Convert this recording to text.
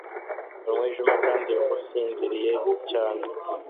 Umwijima kandi usinziriye cyane